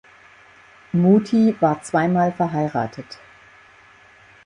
Muti war zweimal verheiratet.